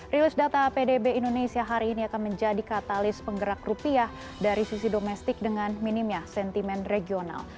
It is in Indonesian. rilis data pdb indonesia hari ini akan menjadi katalis penggerak rupiah dari sisi domestik dengan minimnya sentimen regional